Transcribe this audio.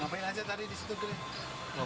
ngapain aja tadi di situ deh